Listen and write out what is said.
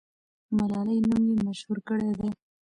ملالۍ نوم یې مشهور کړی دی.